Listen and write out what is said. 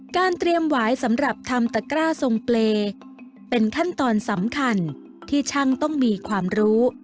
เตรียมหวายสำหรับทำตะกร้าทรงเปรย์เป็นขั้นตอนสำคัญที่ช่างต้องมีความรู้